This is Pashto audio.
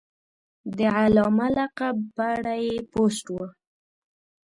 د علامه لقب په اړه یې پوسټ و.